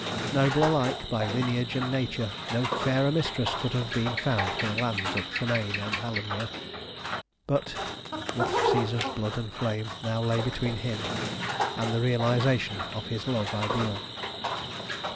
Noble alike by lineage and nature, no fairer mistress could have been found for the lands of Tremayne and Alanmere, but what seas of blood and flame now lay between him and the realisation of his love ideal!